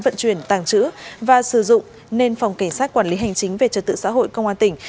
vận chuyển tàng trữ và sử dụng nên phòng cảnh sát quản lý hành chính về trật tự xã hội công an tỉnh